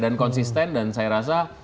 konsisten dan saya rasa